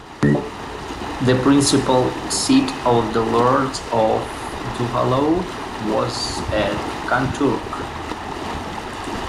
The principal seat of the Lords of Duhallow was at Kanturk.